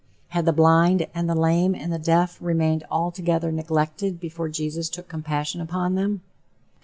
Had the blind, and the lame, and the deaf, remained altogether neglected before Jesus took compassion upon them?